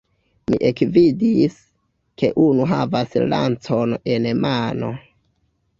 Mi ekvidis, ke unu havas lancon en mano.